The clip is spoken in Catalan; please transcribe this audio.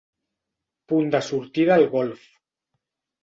Punt de sortida al golf.